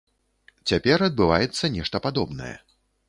Цяпер адбываецца нешта падобнае.